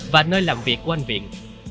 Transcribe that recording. và nơi làm việc của anh viện